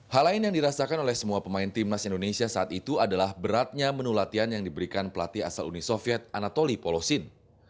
hal lain yang dirasakan oleh semua pemain timnas indonesia saat itu adalah beratnya menu latihan yang diberikan pelatih asal uni soviet anatoli polosin